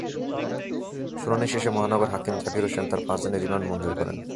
শুনানি শেষে মহানগর হাকিম জাকির হোসেন তাঁর পাঁচ দিনের রিমান্ড মঞ্জুর করেন।